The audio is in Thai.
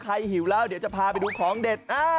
หิวแล้วเดี๋ยวจะพาไปดูของเด็ด